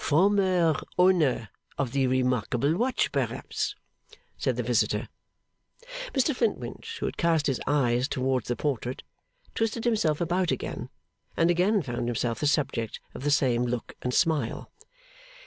'Former owner of the remarkable watch, perhaps?' said the visitor. Mr Flintwinch, who had cast his eyes towards the portrait, twisted himself about again, and again found himself the subject of the same look and smile.